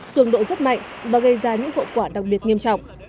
cường độ rất mạnh và gây ra những hậu quả đặc biệt nghiêm trọng